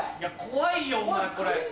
怖いよお前これ。